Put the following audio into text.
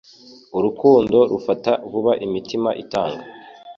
Urukundo rufata vuba imitima itanga